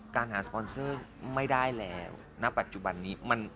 การหาสปอนเซอร์ไม่ได้แล้วณปัจจุบันนี้